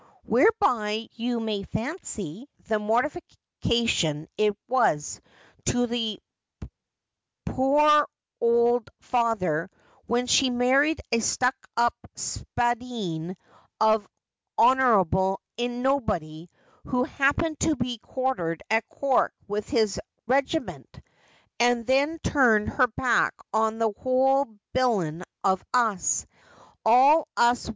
' Whereby you may fancy the mortification it was to the poor ould father when she married a stuck up spalpeen of an honour able nobody who happened to lie quartered at Cork with his rigi lnent, and then turned her back on the whole bilin' of us, all as.